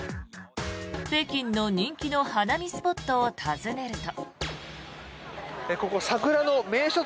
北京の人気の花見スポットを訪ねると。